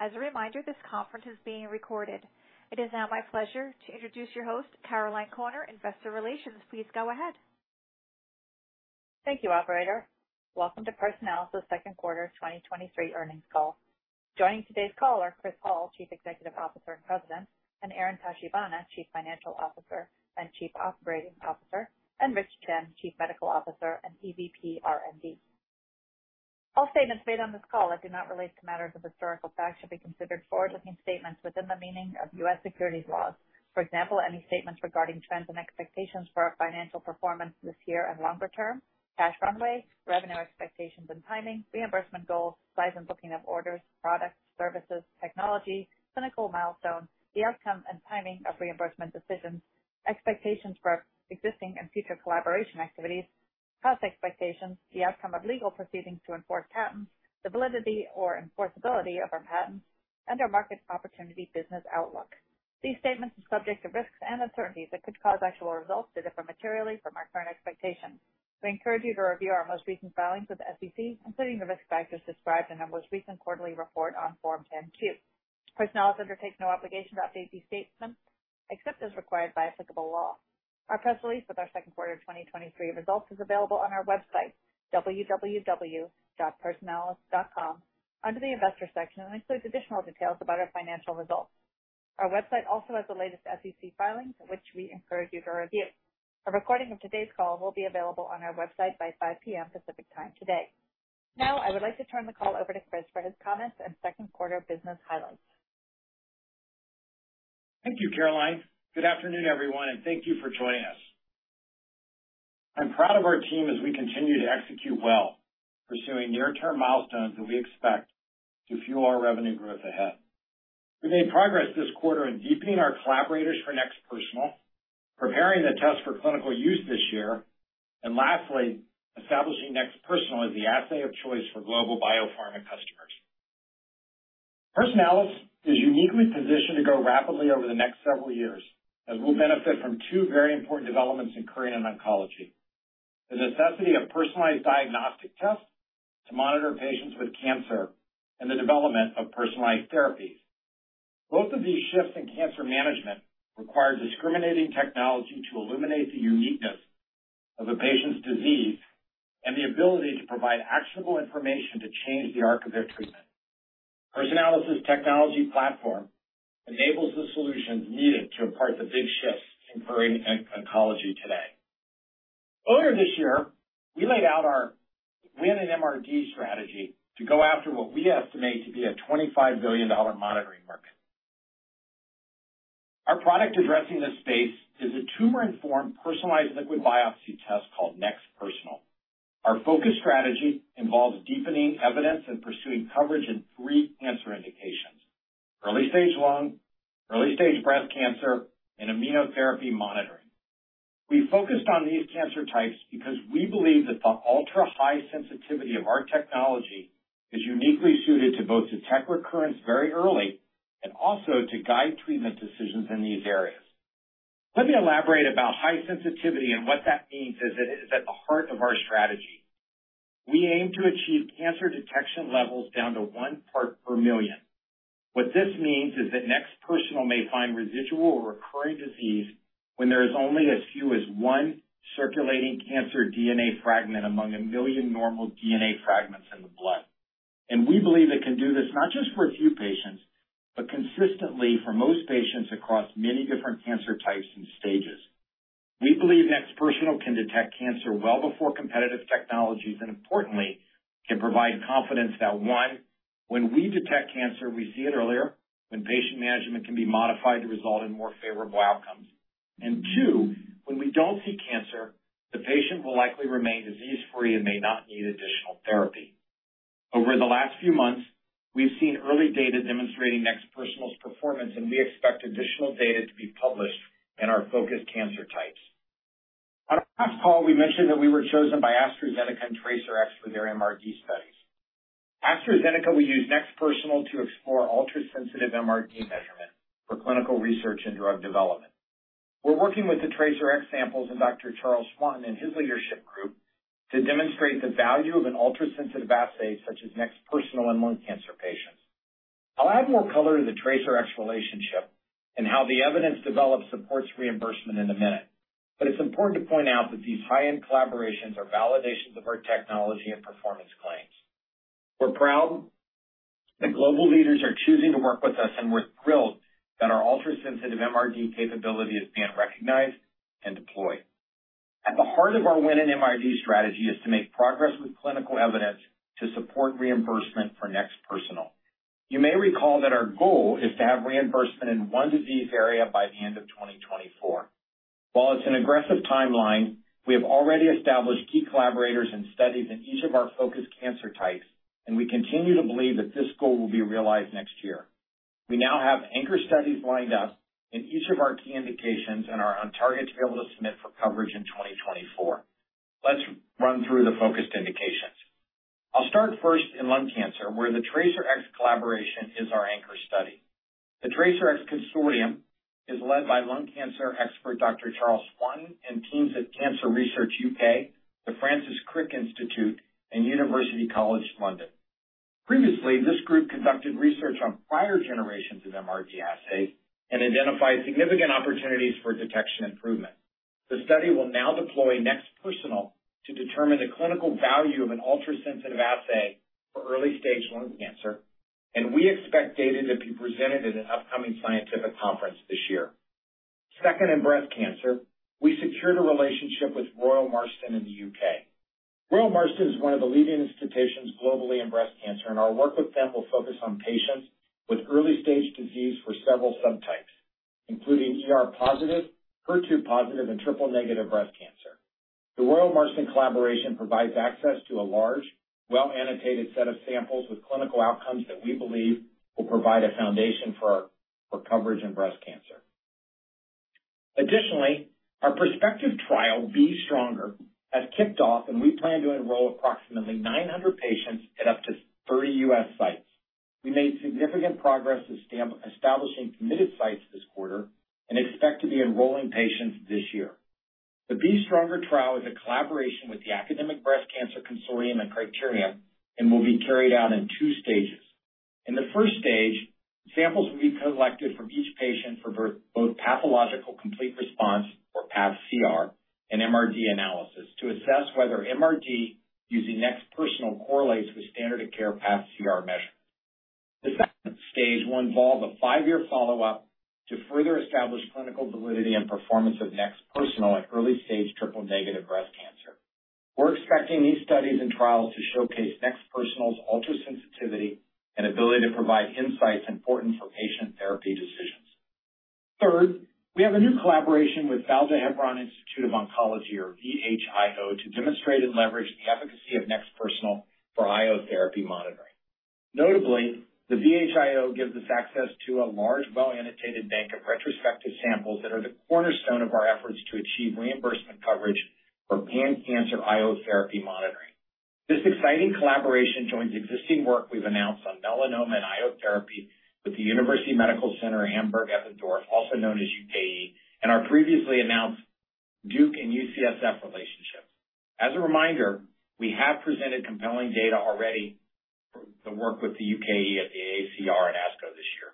As a reminder, this conference is being recorded. It is now my pleasure to introduce your host, Caroline Corner, Investor Relations. Please go ahead. Thank you, operator. Welcome to Personalis's second quarter 2023 earnings call. Joining today's call are Chris Hall, Chief Executive Officer and President, Aaron Tachibana, Chief Financial Officer and Chief Operating Officer, and Rich Chen, Chief Medical Officer and EVP, R&D. All statements made on this call that do not relate to matters of historical fact should be considered forward-looking statements within the meaning of U.S. securities laws. For example, any statements regarding trends and expectations for our financial performance this year and longer term, cash runway, revenue expectations and timing, reimbursement goals, size and booking of orders, products, services, technology, clinical milestones, the outcome and timing of reimbursement decisions, expectations for existing and future collaboration activities, price expectations, the outcome of legal proceedings to enforce patents, the validity or enforceability of our patents, and our market opportunity business outlook. These statements are subject to risks and uncertainties that could cause actual results to differ materially from our current expectations. We encourage you to review our most recent filings with the SEC, including the risk factors described in our most recent quarterly report on Form 10-K. Personalis undertakes no obligation to update these statements, except as required by applicable law. Our press release with our second quarter 2023 results is available on our website, www.personalis.com, under the Investor section, and includes additional details about our financial results. Our website also has the latest SEC filings, which we encourage you to review. A recording of today's call will be available on our website by 5:00 P.M. Pacific Time today. Now, I would like to turn the call over to Chris for his comments and second quarter business highlights. Thank you, Caroline. Good afternoon, everyone, and thank you for joining us. I'm proud of our team as we continue to execute well, pursuing near-term milestones that we expect to fuel our revenue growth ahead. We made progress this quarter in deepening our collaborators for NeXT Personal, preparing the test for clinical use this year, and lastly, establishing NeXT Personal as the assay of choice for global biopharma customers. Personalis is uniquely positioned to grow rapidly over the next several years, as we'll benefit from two very important developments occurring in oncology: the necessity of personalized diagnostic tests to monitor patients with cancer and the development of personalized therapies. Both of these shifts in cancer management require discriminating technology to illuminate the uniqueness of a patient's disease and the ability to provide actionable information to change the arc of their treatment. Personalis' technology platform enables the solutions needed to impart the big shifts occurring in oncology today. Earlier this year, we laid out our win in MRD strategy to go after what we estimate to be a $25 billion monitoring market. Our product addressing this space is a tumor-informed, personalized liquid biopsy test called NeXT Personal. Our focus strategy involves deepening evidence and pursuing coverage in three cancer indications: early-stage lung, early-stage breast cancer, and immunotherapy monitoring. We focused on these cancer types because we believe that the ultra-high sensitivity of our technology is uniquely suited to both detect recurrence very early and also to guide treatment decisions in these areas. Let me elaborate about high sensitivity and what that means, as it is at the heart of our strategy. We aim to achieve cancer detection levels down to one part per million. What this means is that NeXT Personal may find residual or recurring disease when there is only as few as 1 circulating cancer DNA fragment among 1 million normal DNA fragments in the blood. We believe it can do this not just for a few patients, but consistently for most patients across many different cancer types and stages. We believe NeXT Personal can detect cancer well before competitive technologies, and importantly, can provide confidence that, one, when we detect cancer, we see it earlier, when patient management can be modified to result in more favorable outcomes. two, when we don't see cancer, the patient will likely remain disease-free and may not need additional therapy. Over the last few months, we've seen early data demonstrating NeXT Personal's performance, and we expect additional data to be published in our focused cancer types. On our last call, we mentioned that we were chosen by AstraZeneca and TRACERx for their MRD studies. AstraZeneca will use NeXT Personal to explore ultra-sensitive MRD measurement for clinical research and drug development. We're working with the TRACERx samples and Dr. Charles Swanton and his leadership group to demonstrate the value of an ultra-sensitive assay, such as NeXT Personal and lung cancer patients. I'll add more color to the TRACERx relationship and how the evidence developed supports reimbursement in a minute. It's important to point out that these high-end collaborations are validations of our technology and performance claims. We're proud that global leaders are choosing to work with us, and we're thrilled that our ultra-sensitive MRD capability is being recognized and deployed. At the heart of our win in MRD strategy is to make progress with clinical evidence to support reimbursement for NeXT Personal. You may recall that our goal is to have reimbursement in one disease area by the end of 2024. While it's an aggressive timeline, we have already established key collaborators and studies in each of our focused cancer types, and we continue to believe that this goal will be realized next year. We now have anchor studies lined up in each of our key indications and are on target to be able to submit for coverage in 2024. Let's run through the focused indications. I'll start first in lung cancer, where the TRACERx collaboration is our anchor study. The TRACERx consortium is led by lung cancer expert Dr. Charles Swanton, and teams at Cancer Research UK, the Francis Crick Institute, and University College London. Previously, this group conducted research on prior generations of MRD assays and identified significant opportunities for detection improvement. The study will now deploy NeXT Personal to determine the clinical value of an ultrasensitive assay for early-stage lung cancer. We expect data to be presented at an upcoming scientific conference this year. Second, in breast cancer, we secured a relationship with Royal Marsden in the UK. Royal Marsden is one of the leading institutions globally in breast cancer. Our work with them will focus on patients with early-stage disease for several subtypes, including ER positive, HER2 positive, and triple-negative breast cancer. The Royal Marsden collaboration provides access to a large, well-annotated set of samples with clinical outcomes that we believe will provide a foundation for coverage in breast cancer. Additionally, our prospective trial, B-STRONGER, has kicked off, and we plan to enroll approximately 900 patients at up to 30 U.S. sites. We made significant progress with establishing committed sites this quarter and expect to be enrolling patients this year. The B-STRONGER-1 trial is a collaboration with the Academic Breast Cancer Consortium and Criterium, and will be carried out in two stages. In the first stage, samples will be collected from each patient for both pathological complete response, or pCR, and MRD analysis, to assess whether MRD using NeXT Personal correlates with standard of care pCR measure. The second stage will involve a five-year follow-up to further establish clinical validity and performance of NeXT Personal at early-stage triple-negative breast cancer. We're expecting these studies and trials to showcase NeXT Personal's ultra-sensitivity and ability to provide insights important for patient therapy decisions. Third, we have a new collaboration with Vall d'Hebron Institute of Oncology, or VHIO, to demonstrate and leverage the efficacy of NeXT Personal for IO therapy monitoring. Notably, the VHIO gives us access to a large, well-annotated bank of retrospective samples that are the cornerstone of our efforts to achieve reimbursement coverage for pan-cancer IO therapy monitoring. This exciting collaboration joins existing work we've announced on melanoma and IO therapy with the University Medical Center, Hamburg-Eppendorf, also known as UKE, and our previously announced Duke and UCSF relationships. As a reminder, we have presented compelling data already for the work with the UKE at the AACR and ASCO this year.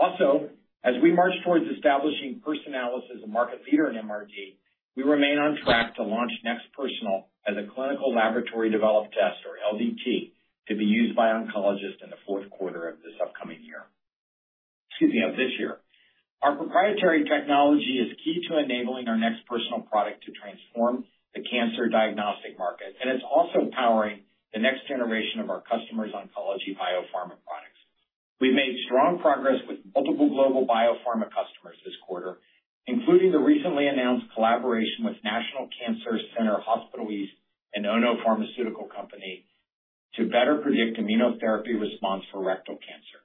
Also, as we march towards establishing Personalis as a market leader in MRD, we remain on track to launch NeXT Personal as a clinical laboratory-developed test, or LDT, to be used by oncologists in the fourth quarter of this upcoming year. Excuse me, of this year. Our proprietary technology is key to enabling our NeXT Personal product to transform the cancer diagnostic market, and it's also powering the next generation of our customers' oncology biopharma products. We've made strong progress with multiple global biopharma customers this quarter, including the recently announced collaboration with National Cancer Center Hospital East and Ono Pharmaceutical Company, to better predict immunotherapy response for rectal cancer.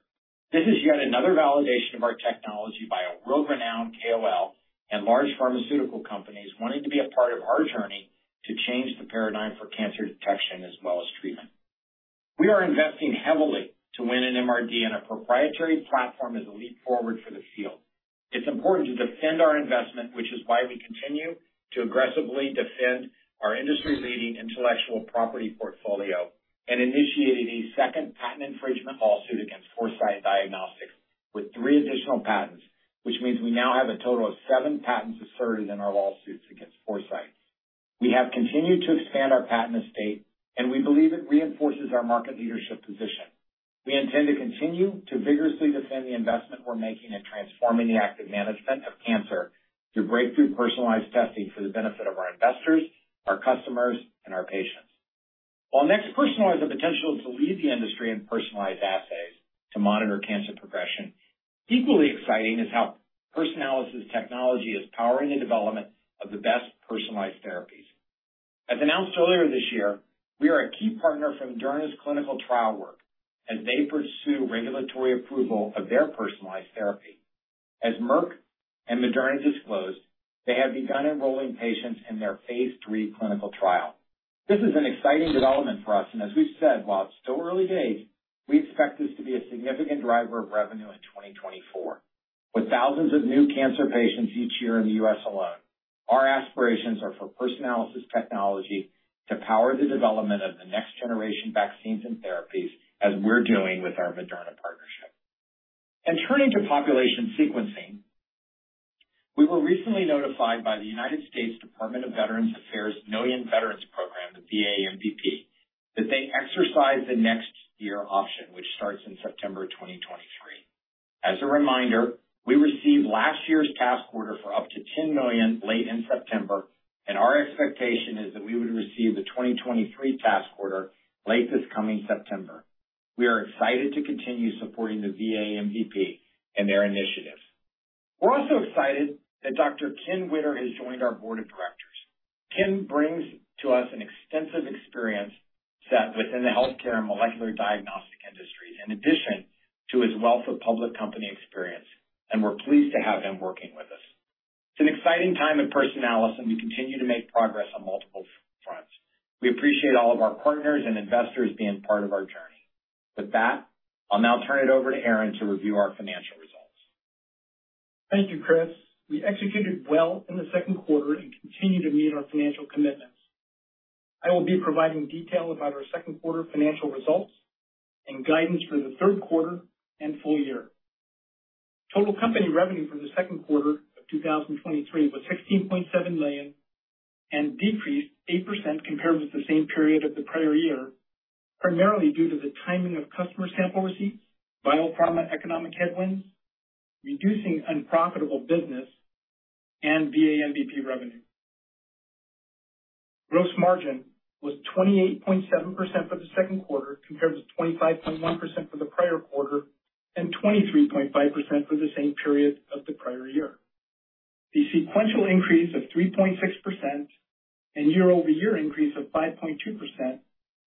This is yet another validation of our technology by a world-renowned KOL and large pharmaceutical companies wanting to be a part of our journey to change the paradigm for cancer detection as well as treatment. We are investing heavily to win an MRD, and our proprietary platform is a leap forward for the field. It's important to defend our investment, which is why we continue to aggressively defend our industry-leading intellectual property portfolio and initiated a second patent infringement lawsuit against Foresight Diagnostics with three additional patents, which means we now have a total of seven patents asserted in our lawsuits against Foresight. We have continued to expand our patent estate, and we believe it reinforces our market leadership position. We intend to continue to vigorously defend the investment we're making in transforming the active management of cancer through breakthrough personalized testing for the benefit of our investors, our customers, and our patients. While NeXT Personal has the potential to lead the industry in personalized assays to monitor cancer progression, equally exciting is how Personalis technology is powering the development of the best personalized therapies. As announced earlier this year, we are a key partner for Moderna's clinical trial work as they pursue regulatory approval of their personalized therapy. As Merck and Moderna disclosed, they have begun enrolling patients in their phase three clinical trial. This is an exciting development for us, and as we've said, while it's still early days, we expect this to be a significant driver of revenue in 2024. With thousands of new cancer patients each year in the U.S. alone, our aspirations are for Personalis technology to power the development of the next-generation vaccines and therapies, as we're doing with our Moderna partnership. Turning to population sequencing, we were recently notified by the United States Department of Veterans Affairs Million Veteran Program, the VA MVP, that they exercised the next year option, which starts in September 2023. As a reminder, we received last year's task order for up to $10 million late in September, and our expectation is that we would receive the 2023 task order late this coming September. We are excited to continue supporting the VA MVP and their initiatives. We're also excited that Dr. Ken Widder has joined our board of directors. Ken brings to us an extensive experience set within the healthcare and molecular diagnostic industry, in addition to his wealth of public company experience, and we're pleased to have him working with us. It's an exciting time at Personalis, and we continue to make progress on multiple front-.... We appreciate all of our partners and investors being part of our journey. With that, I'll now turn it over to Aaron to review our financial results. Thank you, Chris. We executed well in the second quarter and continue to meet our financial commitments. I will be providing detail about our second quarter financial results and guidance for the third quarter and full year. Total company revenue for the second quarter of 2023 was $16.7 million, and decreased 8% compared with the same period of the prior year, primarily due to the timing of customer sample receipts, biopharma economic headwinds, reducing unprofitable business, and VA MVP revenue. Gross margin was 28.7% for the second quarter, compared to 25.1% for the prior quarter, and 23.5% for the same period of the prior year. The sequential increase of 3.6% and year-over-year increase of 5.2%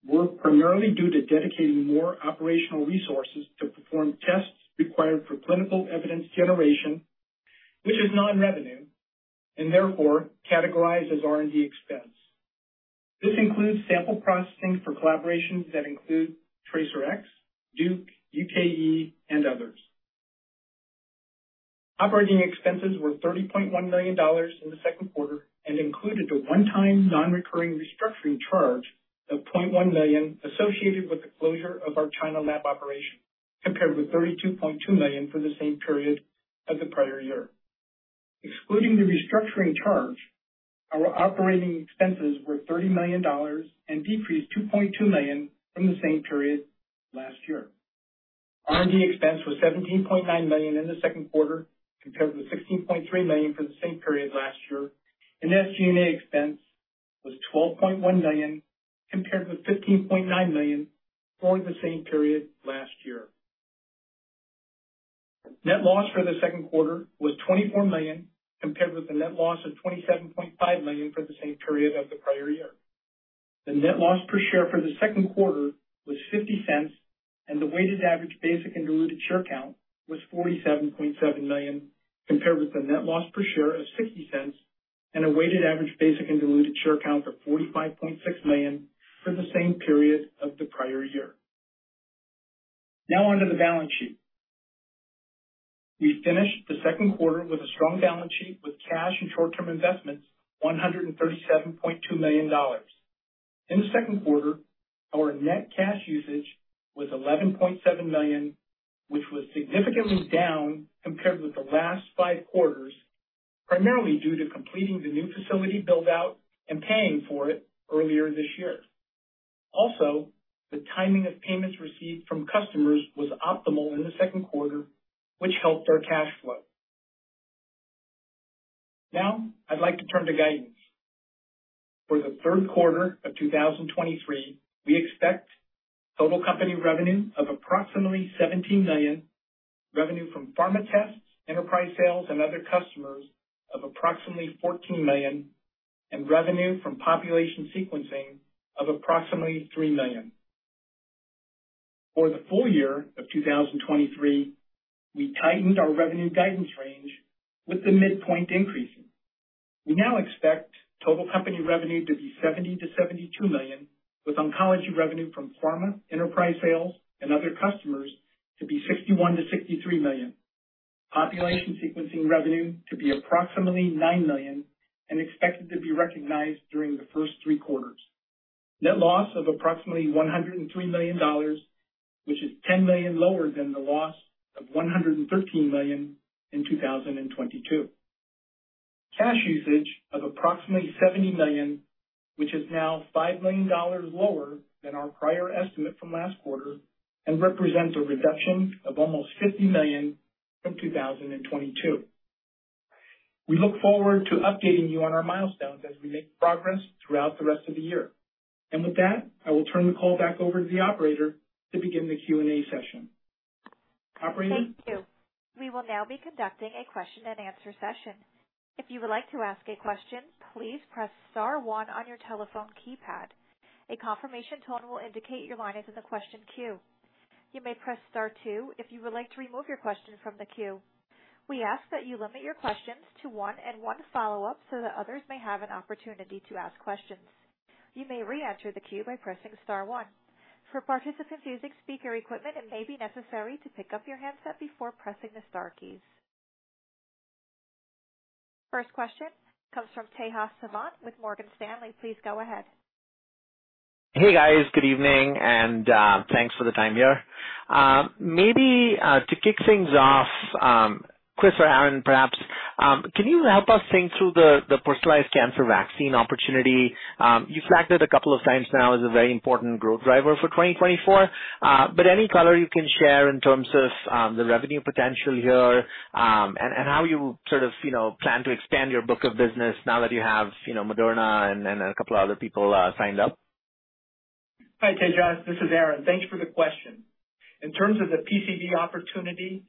were primarily due to dedicating more operational resources to perform tests required for clinical evidence generation, which is non-revenue and therefore categorized as R&D expense. This includes sample processing for collaborations that include TRACERx, Duke, UKE, and others. Operating expenses were $30.1 million in the second quarter and included a one-time, non-recurring restructuring charge of $0.1 million associated with the closure of our China lab operation, compared with $32.2 million for the same period as the prior year. Excluding the restructuring charge, our operating expenses were $30 million and decreased $2.2 million from the same period last year. R&D expense was $17.9 million in the second quarter, compared with $16.3 million for the same period last year. SG&A expense was $12.1 million, compared with $15.9 million for the same period last year. Net loss for the second quarter was $24 million, compared with a net loss of $27.5 million for the same period as the prior year. The net loss per share for the second quarter was $0.50, and the weighted average basic and diluted share count was $47.7 million, compared with the net loss per share of $0.60 and a weighted average basic and diluted share count of 45.6 million for the same period of the prior year. Now on to the balance sheet. We finished the second quarter with a strong balance sheet, with cash and short-term investments, $137.2 million. In the second quarter, our net cash usage was $11.7 million, which was significantly down compared with the last five quarters, primarily due to completing the new facility build-out and paying for it earlier this year. Also, the timing of payments received from customers was optimal in the second quarter, which helped our cash flow. Now, I'd like to turn to guidance. For the third quarter of 2023, we expect total company revenue of approximately $17 million, revenue from pharma tests, enterprise sales, and other customers of approximately $14 million, and revenue from population sequencing of approximately $3 million. For the full year of 2023, we tightened our revenue guidance range with the midpoint increasing. We now expect total company revenue to be $70 million-$72 million, with oncology revenue from pharma, enterprise sales, and other customers to be $61 million-$63 million. Population sequencing revenue to be approximately $9 million and expected to be recognized during the first three quarters. Net loss of approximately $103 million, which is $10 million lower than the loss of $113 million in 2022. Cash usage of approximately $70 million, which is now $5 million lower than our prior estimate from last quarter and represents a reduction of almost $50 million from 2022. We look forward to updating you on our milestones as we make progress throughout the rest of the year. With that, I will turn the call back over to the operator to begin the Q&A session. Operator? Thank you. We will now be conducting a question-and-answer session. If you would like to ask a question, please press star one on your telephone keypad. A confirmation tone will indicate your line is in the question queue. You may press star two if you would like to remove your question from the queue. We ask that you limit your questions to one and one follow-up so that others may have an opportunity to ask questions. You may reenter the queue by pressing star one. For participants using speaker equipment, it may be necessary to pick up your handset before pressing the star keys. First question comes from Tejas Savant with Morgan Stanley. Please go ahead. Hey, guys, good evening, and thanks for the time here. Maybe to kick things off, Chris or Aaron, perhaps, can you help us think through the personalized cancer vaccine opportunity? You flagged it a couple of times now as a very important growth driver for 2024, but any color you can share in terms of the revenue potential here, and how you sort of, you know, plan to expand your book of business now that you have, you know, Moderna and a couple of other people signed up? Hi, Tejas, this is Aaron. Thanks for the question. In terms of the PCV opportunity,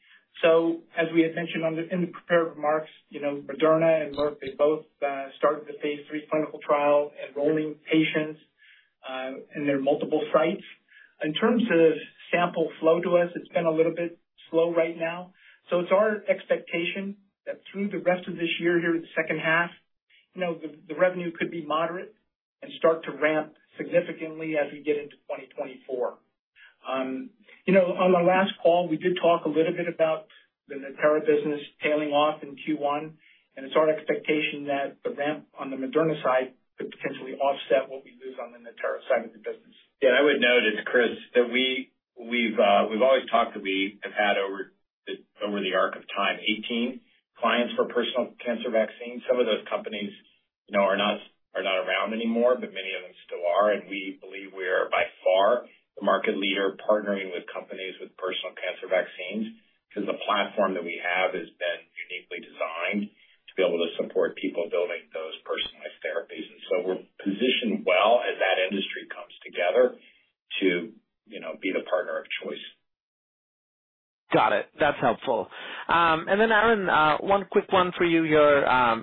as we had mentioned in the prepared remarks, you know, Moderna and Merck, they both started the Phase III clinical trial, enrolling patients. There are multiple sites. In terms of sample flow to us, it's been a little bit slow right now, so it's our expectation that through the rest of this year, here in the second half, you know, the revenue could be moderate and start to ramp significantly as we get into 2024. You know, on the last call, we did talk a little bit about the Natera business tailing off in Q1, and it's our expectation that the ramp on the Moderna side could potentially offset what we lose on the Natera side of the business. Yeah, I would note, it's Chris, that we've, we've always talked that we have had over the, over the arc of time, 18 clients for personalized cancer vaccines. Some of those companies, you know, are not, are not around anymore, but many of them still are, and we believe we are by far the market leader, partnering with companies with personalized cancer vaccines, because the platform that we have has been uniquely designed to be able to support people building those personalized therapies. So we're positioned well as that industry comes together to, you know, be the partner of choice. Got it. That's helpful. Then, Aaron, one quick one for you here.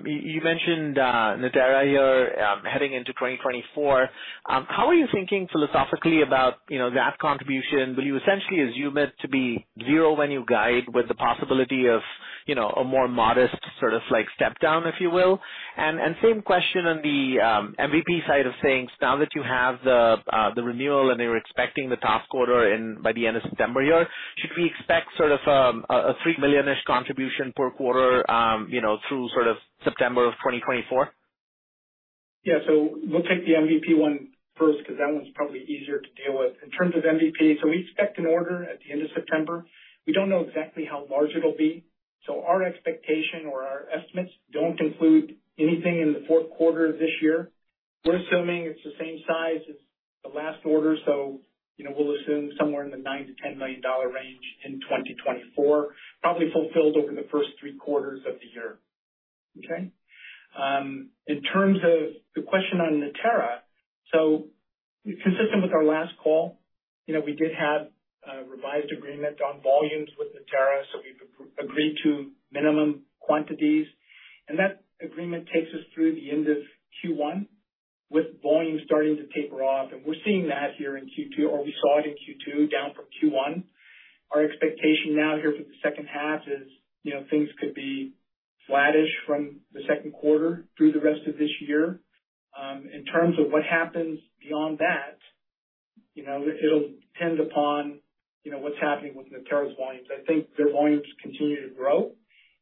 You, you mentioned Natera here, heading into 2024. How are you thinking philosophically about, you know, that contribution? Will you essentially assume it to be zero when you guide with the possibility of, you know, a more modest, sort of like, step down, if you will? Same question on the MVP side of things. Now that you have the renewal, and you're expecting the top quarter in by the end of September here, should we expect sort of a $3 million-ish contribution per quarter, you know, through sort of September of 2024? Yeah. We'll take the MVP one first, because that one's probably easier to deal with. In terms of MVP, we expect an order at the end of September. We don't know exactly how large it'll be, so our expectation or our estimates don't include anything in the fourth quarter of this year. We're assuming it's the same size as the last order, so you know, we'll assume somewhere in the $9 million-$10 million range in 2024, probably fulfilled over the first 3 quarters of the year. Okay? In terms of the question on Natera, consistent with our last call, you know, we did have a revised agreement on volumes with Natera, so we've agreed to minimum quantities, and that agreement takes us through the end of Q1, with volume starting to taper off. We're seeing that here in Q2, or we saw it in Q2, down from Q1. Our expectation now here for the second half is, you know, things could be flattish from the second quarter through the rest of this year. In terms of what happens beyond that, you know, it'll depend upon, you know, what's happening with Natera's volumes. I think their volumes continue to grow,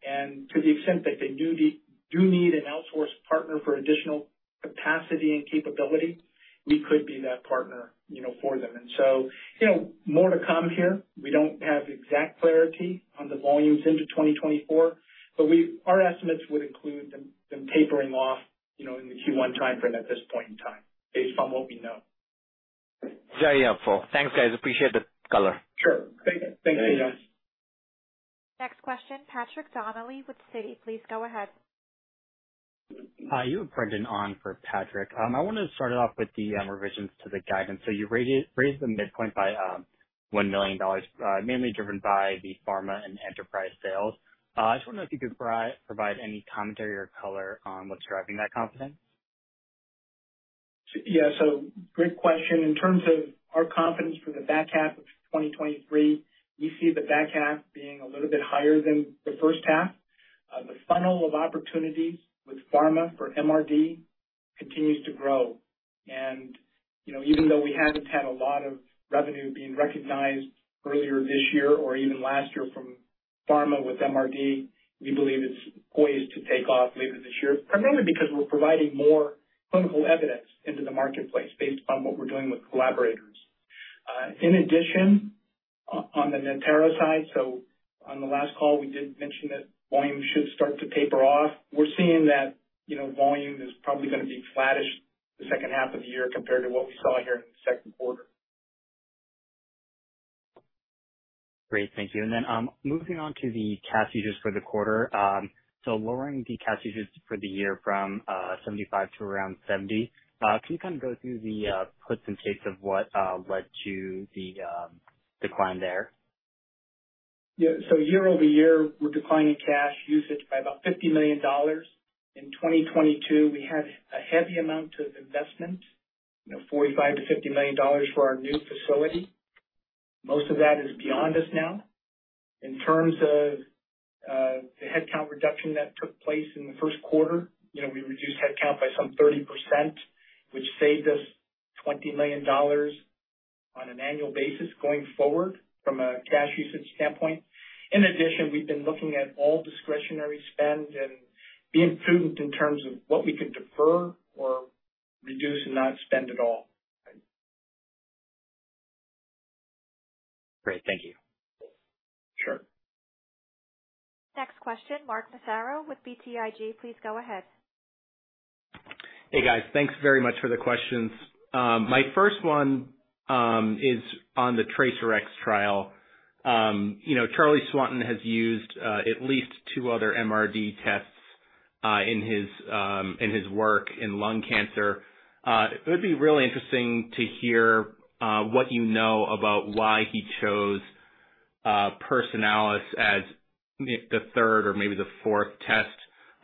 and to the extent that they do need, do need an outsourced partner for additional capacity and capability, we could be that partner, you know, for them. You know, more to come here. We don't have exact clarity on the volumes into 2024, but our estimates would include them, them tapering off, you know, in the Q1 timeframe at this point in time, based on what we know. Very helpful. Thanks, guys. Appreciate the color. Sure. Thank you. Thanks. Next question, Patrick Donnelly with Citi. Please go ahead. Hi, you have Brendan On for Patrick. I wanted to start it off with the revisions to the guidance. You raised the midpoint by $1 million, mainly driven by the pharma and enterprise sales. I just want to know if you could provide any commentary or color on what's driving that confidence. Yeah, great question. In terms of our confidence for the back half of 2023, we see the back half being a little bit higher than the first half. The funnel of opportunities with pharma for MRD continues to grow. You know, even though we haven't had a lot of revenue being recognized earlier this year or even last year from pharma with MRD, we believe it's poised to take off later this year, primarily because we're providing more clinical evidence into the marketplace based on what we're doing with collaborators. In addition, on the Natera side, on the last call, we did mention that volume should start to taper off. We're seeing that, you know, volume is probably gonna be flattish the second half of the year compared to what we saw here in the second quarter. Great. Thank you. Moving on to the cash usage for the quarter. Lowering the cash usage for the year from $75 to around $70. Can you kind of go through the puts and takes of what led to the decline there? Year over year, we're declining cash usage by about $50 million. In 2022, we had a heavy amount of investment, you know, $45 million-$50 million for our new facility. Most of that is beyond us now. In terms of the headcount reduction that took place in the first quarter, you know, we reduced headcount by some 30%, which saved us $20 million on an annual basis going forward from a cash usage standpoint. In addition, we've been looking at all discretionary spend and being prudent in terms of what we could defer or reduce and not spend at all. Great. Thank you. Sure. Next question, Mark Massaro with BTIG. Please go ahead. Hey, guys. Thanks very much for the questions. My first one is on the TRACERx trial. You know, Charlie Swanton has used, at least two other MRD tests, in his work in lung cancer. It would be really interesting to hear, what you know about why he chose-.... Personalis as the, the third or maybe the fourth test,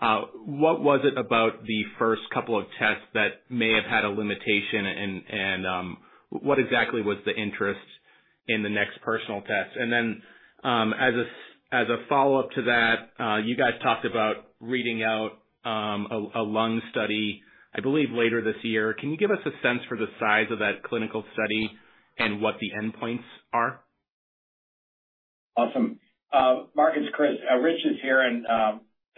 what was it about the first couple of tests that may have had a limitation? What exactly was the interest in the NeXT Personal test? As a, as a follow-up to that, you guys talked about reading out, a, a lung study, I believe, later this year. Can you give us a sense for the size of that clinical study and what the endpoints are? Awesome. Mark, it's Chris. Rich is here and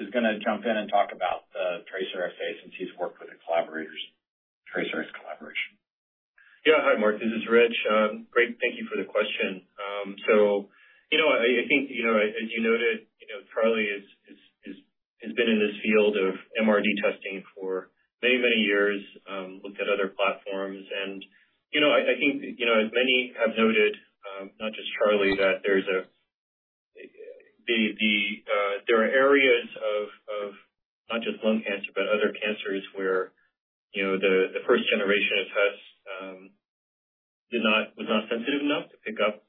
is gonna jump in and talk about the Tracer assay since he's worked with the collaborators, TRACERx collaboration. Yeah. Hi, Mark, this is Rich. Great, thank you for the question. You know, I, I think, you know, as you noted, you know, Charlie is, is, is, has been in this field of MRD testing for many, many years, looked at other platforms. You know, I, I think, you know, as many have noted, not just Charlie, that there's a, the, the, there are areas of, of not just lung cancer, but other cancers where, you know, the, the first generation of tests, did not, was not sensitive enough to pick up,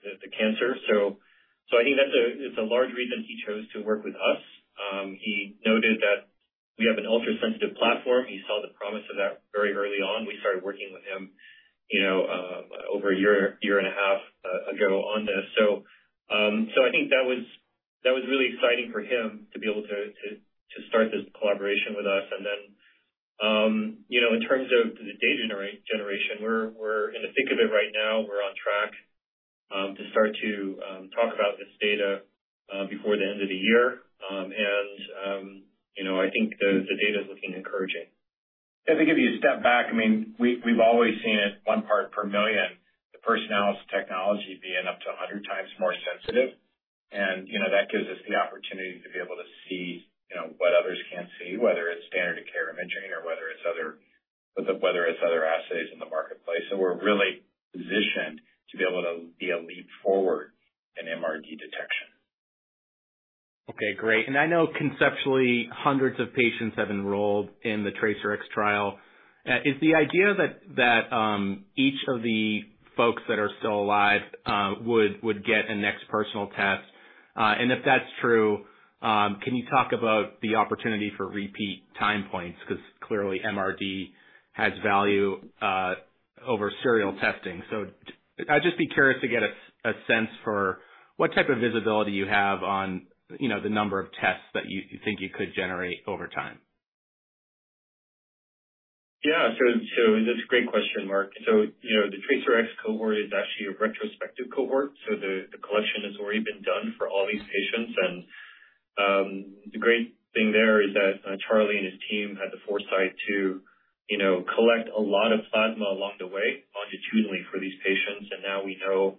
the, the cancer. I think that's a, it's a large reason he chose to work with us. He noted that we have an ultrasensitive platform. He saw the promise of that very early on. We started working with him, you know, over a year, year and a half ago on this. So I think that was, that was really exciting for him to be able to, to, to start this collaboration with us. Then, you know, in terms of the data generation, we're, we're in the thick of it right now. We're on track to start to talk about this data before the end of the year. And, you know, I think the, the data is looking encouraging. If I give you a step back, I mean, we, we've always seen it 1 part per million, the Personalis technology being up to 100 times more sensitive. You know, that gives us the opportunity to be able to see, you know, what others can't see, whether it's standard of care imaging or whether it's other, whether it's other assays in the marketplace. We're really positioned to be able to be a leap forward in MRD detection. Okay, great. I know conceptually, hundreds of patients have enrolled in the TRACERx trial. Is the idea that, that each of the folks that are still alive would get a NeXT Personal test? If that's true, can you talk about the opportunity for repeat time points? Because clearly MRD has value over serial testing. I'd just be curious to get a sense for what type of visibility you have on, you know, the number of tests that you think you could generate over time. Yeah. That's a great question, Mark. You know, the TRACERx cohort is actually a retrospective cohort, so the, the collection has already been done for all these patients. The great thing there is that Charlie and his team had the foresight to, you know, collect a lot of plasma along the way, longitudinally for these patients. Now we know,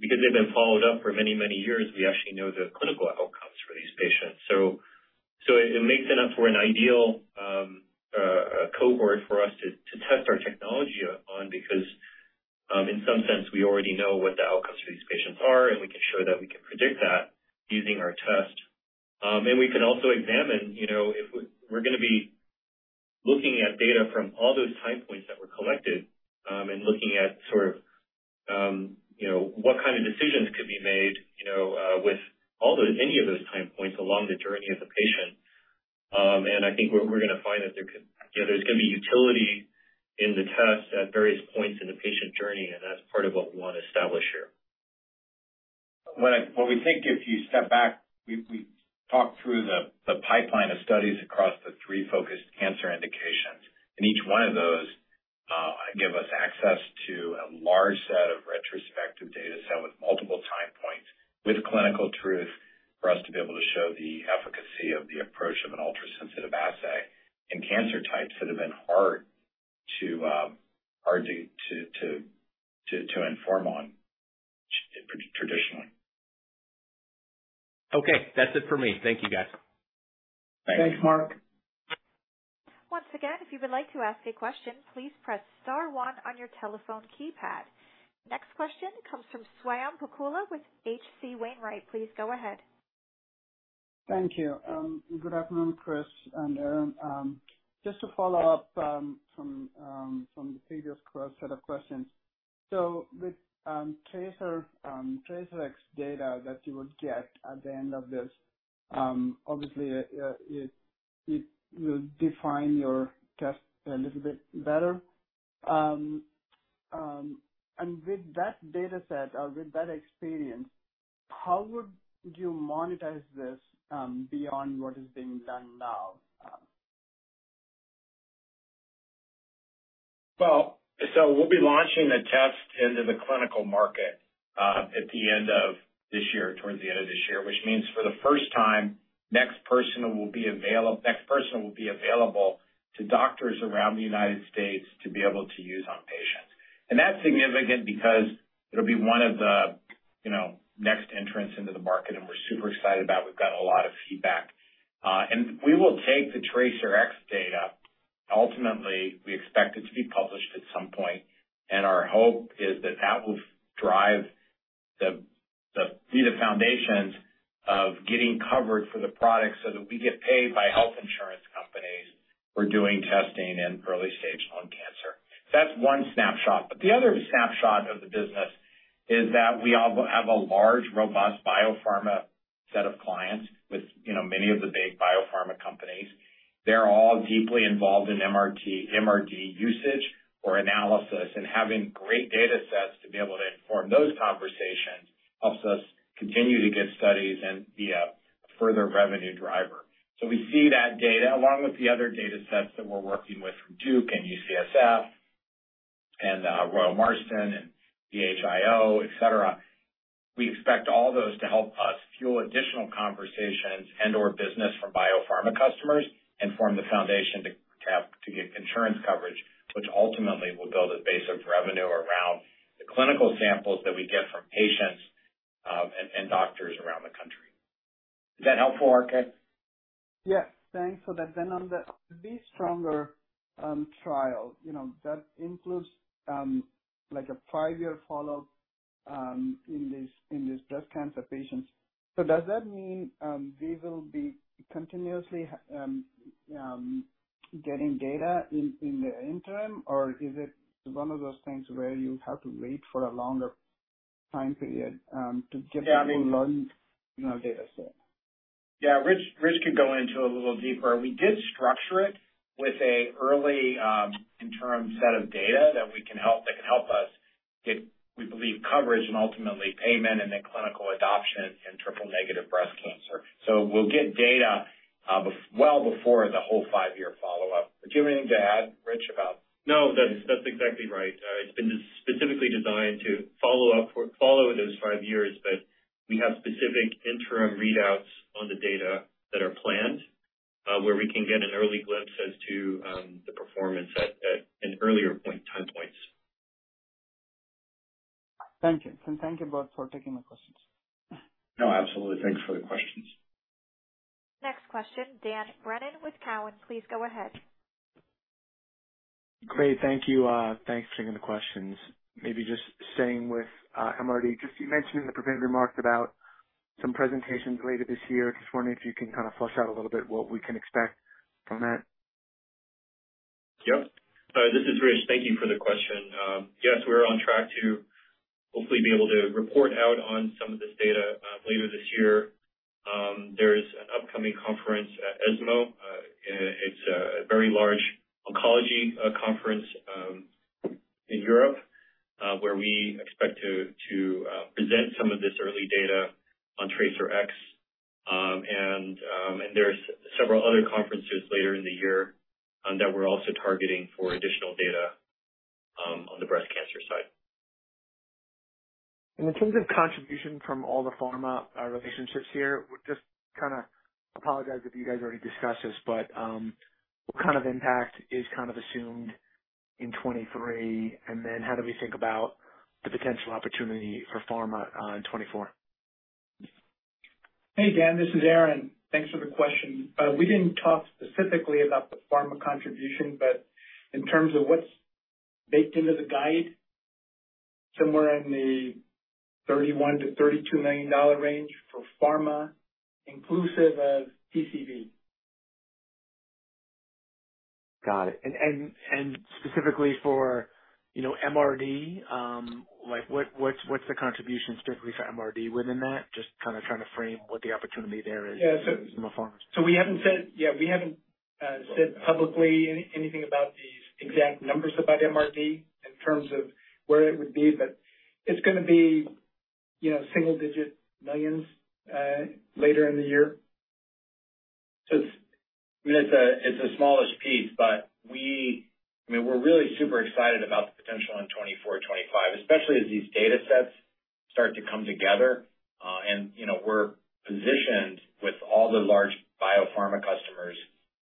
because they've been followed up for many, many years, we actually know the clinical outcomes for these patients. It makes it up for an ideal cohort for us to, to test our technology on, because, in some sense, we already know what the outcomes for these patients are, and we can show that we can predict that using our test. We can also examine, you know, if we're gonna be looking at data from all those time points that were collected, and looking at sort of, you know, what kind of decisions could be made, you know, with all those, any of those time points along the journey of the patient. I think we're, we're gonna find that there could, you know, there's gonna be utility in the test at various points in the patient journey, and that's part of what we want to establish here. What I, what we think, if you step back, we, we talked through the, the pipeline of studies across the three focused cancer indications. Each one of those give us access to a large set of retrospective data set with multiple time points, with clinical truth, for us to be able to show the efficacy of the approach of an ultrasensitive assay in cancer types that have been hard to inform on traditionally. Okay, that's it for me. Thank you, guys. Thanks. Thanks, Mark. Once again, if you would like to ask a question, please press star one on your telephone keypad. Next question comes from Swayampakula Ramakanth with H.C. Wainwright. Please go ahead. Thank you. Good afternoon, Chris and Aaron. Just to follow up from the previous set of questions. With TRACERx data that you will get at the end of this, obviously, it will define your test a little bit better. With that data set or with that experience, how would you monetize this beyond what is being done now? Well, we'll be launching the test into the clinical market, at the end of this year, towards the end of this year, which means for the first time, NeXT Personal will be available, NeXT Personal will be available to doctors around the United States to be able to use on patients. That's significant because it'll be one of the, you know, next entrants into the market, and we're super excited about. We've got a lot of feedback. We will take the TRACERx data. Ultimately, we expect it to be published at some point, and our hope is that that will drive the, the, be the foundations of getting covered for the product so that we get paid by health insurance companies for doing testing in early-stage lung cancer. That's one snapshot. The other snapshot of the business is that we have a large, robust biopharma set of clients with, you know, many of the big biopharma companies. They're all deeply involved in MRD usage or analysis, and having great data sets to be able to inform those conversations helps us continue to get studies and be a further revenue driver. So we see that data along with the other data sets that we're working with from Duke and UCSF and Royal Marsden and VHIO, et cetera. We expect all those to help us fuel additional conversations and/or business from biopharma customers and form the foundation to have to get insurance coverage, which ultimately will build a base of revenue around the clinical samples that we get from patients, and, and doctors around the country. Is that helpful, Ramakanth? Yes, thanks for that. On the B-STRONGER trial, you know, that includes, like a five-year follow-up in these, in these breast cancer patients. Does that mean these will be continuously getting data in, in the interim? Is it one of those things where you have to wait for a longer time period to get- Yeah. A large, you know, data set? Yeah. Rich, Rich can go into it a little deeper. We did structure it with a early, interim set of data that can help us get, we believe, coverage and ultimately payment and then clinical adoption in triple-negative breast cancer. We'll get data, well before the whole five-year follow-up. Do you have anything to add, Rich, about? No, that, that's exactly right. It's been specifically designed to follow up. Follow those five years, we have specific interim readouts on the data that are planned, where we can get an early glimpse as to the performance at an earlier point, time points. Thank you. Thank you both for taking my questions. No, absolutely. Thanks for the questions. Next question, Dan Brennan with Cowen. Please go ahead. Great. Thank you. Thanks for taking the questions. Maybe staying with MRD, you mentioned in the prepared remarks about some presentations later this year. Wondering if you can kind of flush out a little bit what we can expect from that? Yep. This is Rich Chen. Thank you for the question. Yes, we're on track to hopefully be able to report out on some of this data later this year. There's an upcoming conference at ESMO. It's a very large oncology conference in Europe, where we expect to present some of this early data on TRACERx. There's several other conferences later in the year that we're also targeting for additional data on the breast cancer side. In terms of contribution from all the pharma, relationships here, just kind of apologize if you guys already discussed this, but, what kind of impact is kind of assumed in 2023? How do we think about the potential opportunity for pharma, in 2024? Hey, Dan, this is Aaron. Thanks for the question. We didn't talk specifically about the pharma contribution, in terms of what's baked into the guide, somewhere in the $31 million-$32 million range for pharma, inclusive of TCV. Got it. And, and specifically for, you know, MRD, like, what, what's, what's the contribution specifically for MRD within that? Just kind of trying to frame what the opportunity there is. Yeah. From a pharma. We haven't said. Yeah, we haven't said publicly anything about the exact numbers about MRD in terms of where it would be, but it's gonna be, you know, single digit millions later in the year. It's, I mean, it's a, it's a smallish piece, but we. I mean, we're really super excited about the potential in 2024, 2025, especially as these data sets start to come together, and, you know, we're positioned with all the large biopharma customers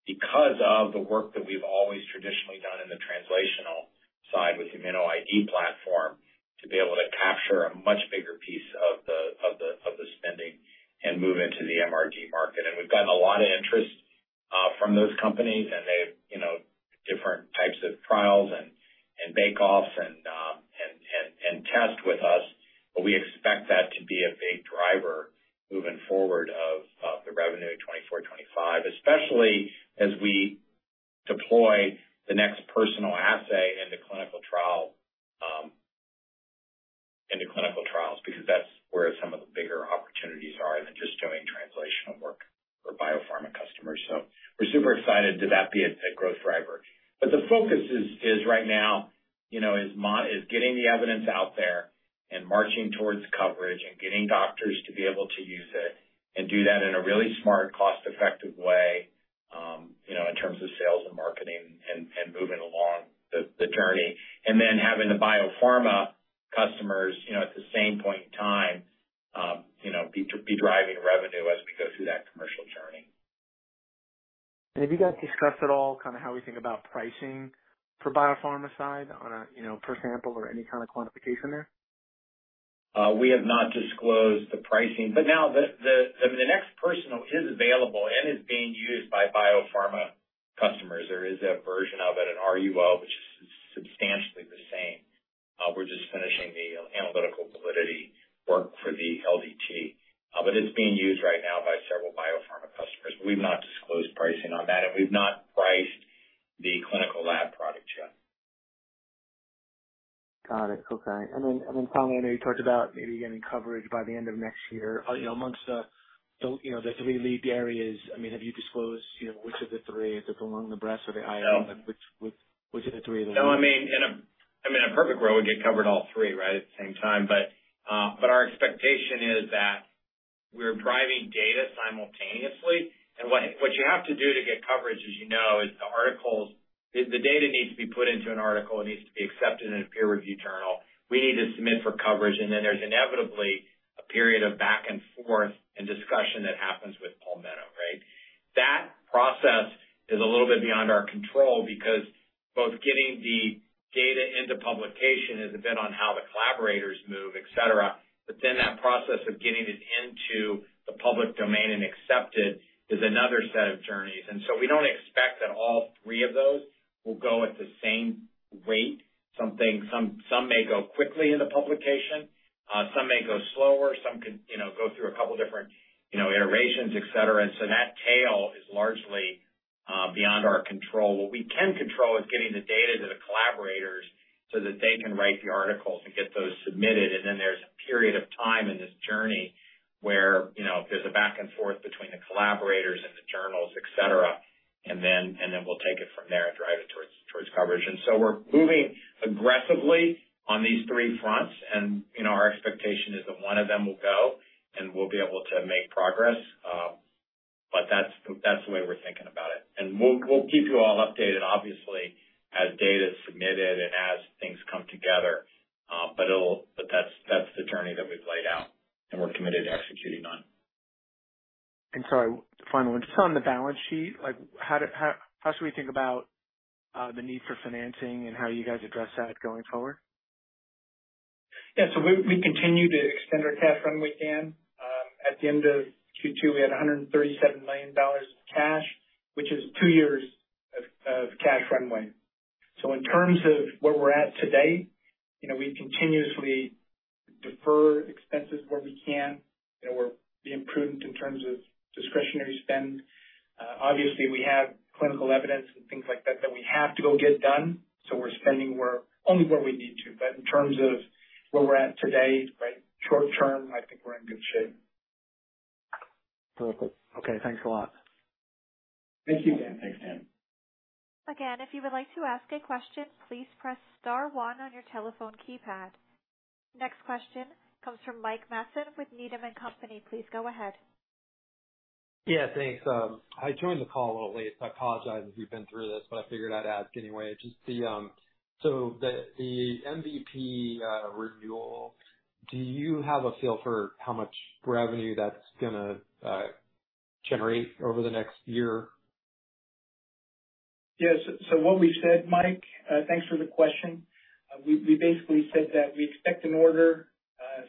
because of the work that we've always traditionally done in the translational side with ImmunoID platform, to be able to capture a much bigger piece of the, of the, of the spending and move into the MRD market. We've gotten a lot of interest from those companies, and they've, you know, different types of trials and, and We have not disclosed the pricing. Now the, the, the NeXT Personal is available and is being used by biopharma customers. There is a version of it, an RUO, which is substantially the same. We're just finishing the analytical validity work for the LDT, but it's being used right now by several biopharma-... We've not disclosed pricing on that, and we've not priced the clinical lab product yet. Got it. Okay. and then finally, I know you talked about maybe getting coverage by the end of next year. You know, amongst the, the, you know, the three lead areas. I mean, have you disclosed, you know, which of the three, if it's the lung, the breast or the IO-? No. which, which of the three are the- No, I mean, in a perfect world, we get covered all three, right, at the same time. Our expectation is that we're driving data simultaneously. What, what you have to do to get coverage, as you know, is the data needs to be put into an article. It needs to be accepted in a peer-reviewed journal. We need to submit for coverage, and then there's inevitably a period of back and forth and discussion that happens with Palmetto, right? That process is a little bit beyond our control because both getting the data into publication is a bit on how the collaborators move, et cetera. That process of getting it into the public domain and accepted is another set of journeys. We don't expect that all three of those will go at the same rate. Something, some, some may go quickly into publication, some may go slower, some could, you know, go through a couple different, you know, iterations, et cetera. That tail is largely beyond our control. What we can control is getting the data to the collaborators so that they can write the articles and get those submitted. There's a period of time in this journey where, you know, there's a back and forth between the collaborators and the journals, et cetera. We'll take it from there and drive it towards, towards coverage. We're moving aggressively on these three fronts. You know, our expectation is that one of them will go, and we'll be able to make progress, but that's, that's the way we're thinking about it. We'll, we'll keep you all updated, obviously, as data is submitted and as things come together. It'll, but that's, that's the journey that we've laid out and we're committed to executing on. Finally, just on the balance sheet, like, how should we think about the need for financing and how you guys address that going forward? Yeah. We, we continue to extend our cash runway down. At the end of Q2, we had $137 million in cash, which is 2 years of, of cash runway. In terms of where we're at today, you know, we continuously defer expenses where we can, you know, we're being prudent in terms of discretionary spend. Obviously, we have clinical evidence and things like that that we have to go get done. We're spending where... Only where we need to. In terms of where we're at today, right, short term, I think we're in good shape. Perfect. Okay, thanks a lot. Thank you, Dan. Thanks, Dan. Again, if you would like to ask a question, please press star one on your telephone keypad. Next question comes from Mike Matson with Needham and Company. Please go ahead. Yeah, thanks. I joined the call a little late. I apologize if you've been through this, but I figured I'd ask anyway. Just the, the MVP renewal, do you have a feel for how much revenue that's gonna generate over the next year? Yes. What we said, Mike, thanks for the question. We, we basically said that we expect an order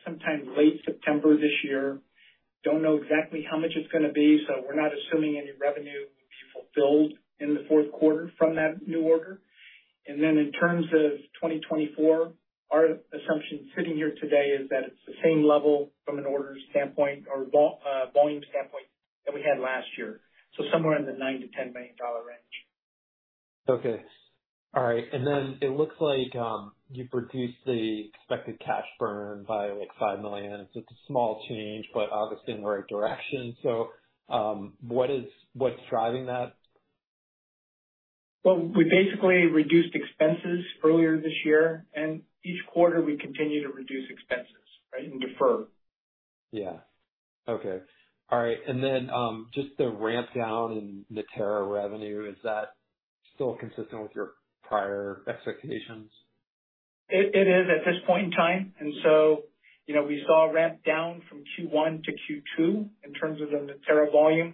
sometime late September this year. Don't know exactly how much it's gonna be, so we're not assuming any revenue will be fulfilled in the fourth quarter from that new order. In terms of 2024, our assumption sitting here today is that it's the same level from an order standpoint or vol, volume standpoint than we had last year. Somewhere in the $9 million-$10 million range. Okay. All right. It looks like, you reduced the expected cash burn by, like, $5 million. It's a small change, but obviously in the right direction. What is, what's driving that? Well, we basically reduced expenses earlier this year, and each quarter we continue to reduce expenses, right? Defer. Yeah. Okay. All right. Just the ramp down in Natera revenue, is that still consistent with your prior expectations? It is at this point in time. You know, we saw a ramp down from Q1-Q2 in terms of the Natera volume.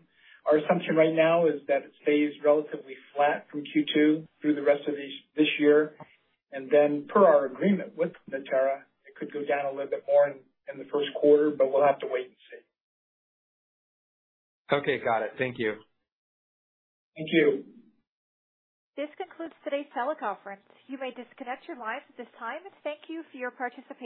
Our assumption right now is that it stays relatively flat from Q2 through the rest of this year. Per our agreement with Natera, it could go down a little bit more in the first quarter, but we'll have to wait and see. Okay. Got it. Thank you. Thank you. This concludes today's teleconference. You may disconnect your lines at this time. Thank you for your participation.